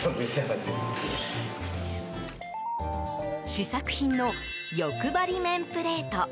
試作品の欲張り麺プレート。